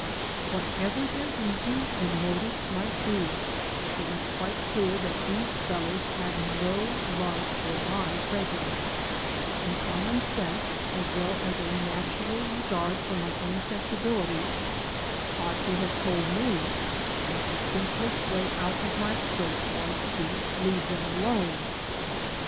Whatever their reasons and motives might be, it was quite clear that these fellows had no love for my presence; and common sense as well as a natural regard for my own sensibilities ought to have told me that the simplest way out of my scrape was to leave them alone.